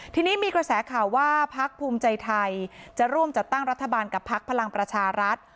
ทีนี้มีกระแสข่าวว่าพักภูมิใจไทยจะร่วมจัดตั้งรัฐบาลกับพักพลังประชารัฐ